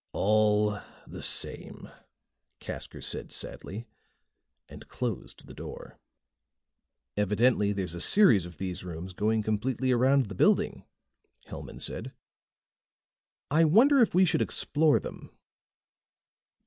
"All the same," Casker said sadly, and closed the door. "Evidently there's a series of these rooms going completely around the building," Hellman said. "I wonder if we should explore them."